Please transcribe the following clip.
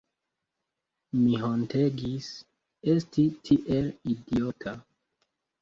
Mi hontegis esti tiel idiota.